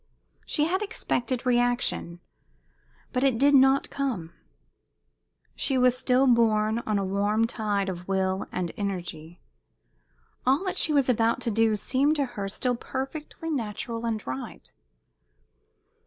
She had expected reaction, but it did not come. She was still borne on a warm tide of will and energy. All that she was about to do seemed to her still perfectly natural and right.